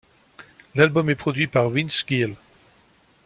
L'album, est produit par Vince Gill.